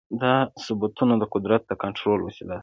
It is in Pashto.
دا ثبتونه د قدرت د کنټرول وسیله وه.